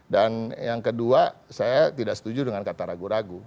dan yang kedua saya tidak setuju dengan kata ragu ragu